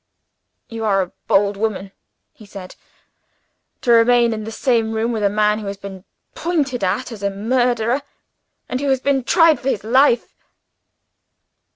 "You are a bold woman," he said, "to remain in the same room with a man who has been pointed at as a murderer, and who has been tried for his life."